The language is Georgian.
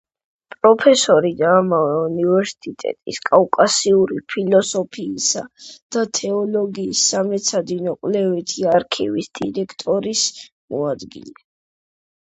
პროფესორი და ამავე უნივერსიტეტის კავკასიური ფილოსოფიისა და თეოლოგიის სამეცნიერო-კვლევითი არქივის დირექტორის მოადგილე.